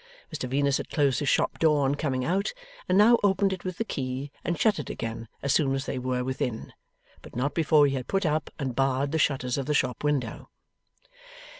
Mr Venus had closed his shop door on coming out, and now opened it with the key and shut it again as soon as they were within; but not before he had put up and barred the shutters of the shop window.